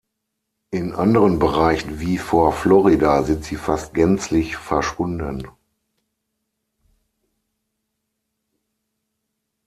In anderen Bereichen wie vor Florida sind sie fast gänzlich verschwunden.